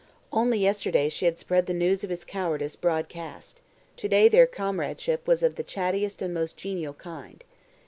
Only yesterday she had spread the news of his cowardice broadcast; to day their comradeship was of the chattiest and most genial kind.